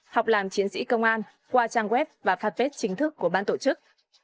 học làm chiến sĩ công an qua trang web và phát vết chính thức của ban tổ chức